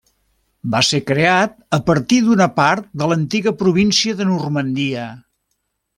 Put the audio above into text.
Va ser creat a partir d'una part de l'antiga província de Normandia.